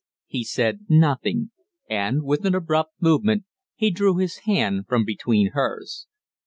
He said nothing; and, with an abrupt movement, he drew his hand from between hers.